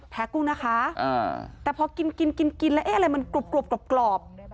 แพ้กุ้งนะคะแต่พอกินแล้วอะไรมันกรอบ